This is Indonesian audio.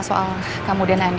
soal kamu dan anaknya